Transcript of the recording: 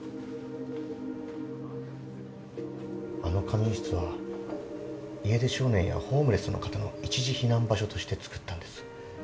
あの仮眠室は家出少年やホームレスの方の一時避難場所として作ったんです。